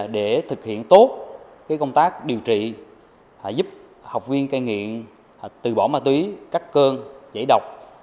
để thực hiện tốt công tác điều trị giúp học viên cai nghiện từ bỏ ma túy cắt cơn giải độc